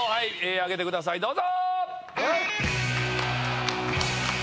挙げてくださいどうぞ。